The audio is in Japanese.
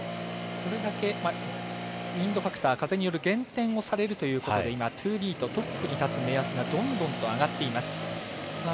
それだけウインドファクター風による減点をされるということで今、トゥービートトップに立つ目安がどんどんと上がっています。